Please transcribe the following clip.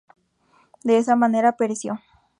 De esa manera pereció.